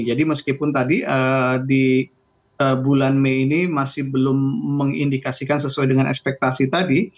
jadi meskipun tadi di bulan mei ini masih belum mengindikasikan sesuai dengan ekspektasi tadi